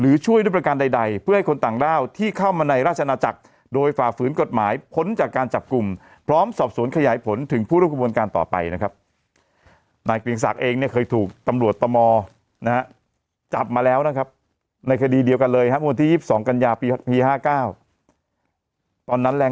แล้วนะครับในคดีเดียวกันเลยครับที่๒๒กันยาปี๕๙ตอนนั้นแรง